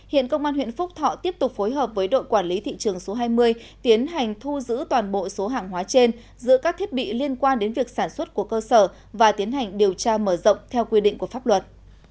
hiện công an huyện phúc thọ tiếp tục phối hợp với đội quản lý thị trường số hai mươi tiến hành thu giữ toàn bộ số hàng hóa trên giữa các thiết bị liên quan đến việc sản xuất của cơ sở và tiến hành điều tra mở rộng theo quy định của pháp luật